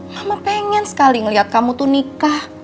mama pengen sekali ngelihat kamu tuh nikah